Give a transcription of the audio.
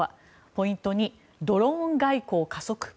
ポイント２ドローン外交加速？